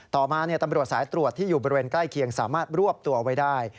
ต่อมาตำรวจสายตรวจที่อยู่บริเวณใกล้เคียงสามารถรวบตัวไว้ได้